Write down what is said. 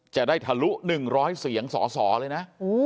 จะได้ทะลุหนึ่งร้อยเสียงส่อเลยนะ